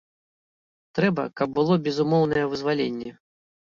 Трэба, каб было безумоўнае вызваленне.